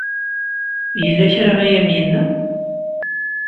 Yella kra ay am-yenna?